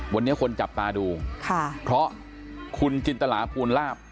วันนี้คนจับตาดูค่ะเพราะคุณจินตลาภูลลาบ